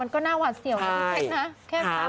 มันก็น่าว่าเสี่ยวน้อยเท็จนะ